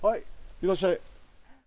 いらっしゃい。